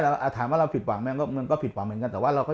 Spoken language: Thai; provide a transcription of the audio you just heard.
แต่ถามว่าเราผิดหวังไหมมันก็ผิดหวังเหมือนกันแต่ว่าเราก็